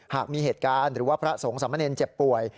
หากมีเหตุการณ์หรือว่าพระสงฆ์สามเนรเจ็บป่วย